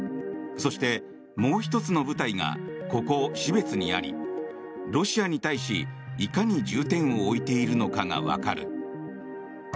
そして、もう１つの部隊がここ標津にありロシアに対しいかに重点を置いているのかがわかる。